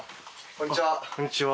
こんにちは。